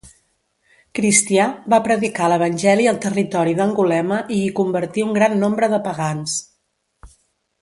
Cristià, va predicar l'evangeli al territori d'Angulema i hi convertí un gran nombre de pagans.